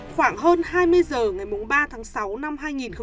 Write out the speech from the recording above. khoảng hơn hai mươi giờ ngày ba tháng sáu năm hai nghìn một mươi một